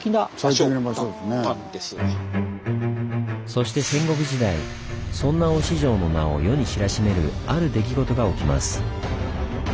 そして戦国時代そんな忍城の名を世に知らしめるある出来事が起きます。